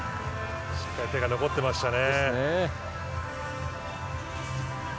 しっかり手が残っていましたね。